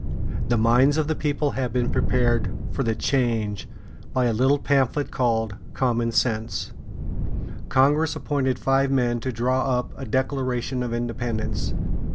] The minds of the people having been prepared for the change by a little pamphlet called "Common Sense," Congress appointed five men to draw up a Declaration of Independence.